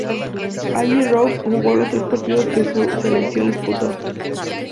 Allí Roux jugó los tres partidos que su selección disputó.